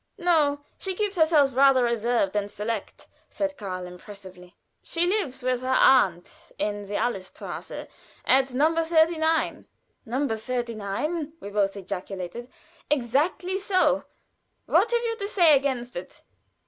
"No, she keeps herself rather reserved and select," said Karl, impressively. "She lives with her aunt in the Alléestrasse, at number 39." "Number 39!" we both ejaculated. "Exactly so! What have you to say against it?"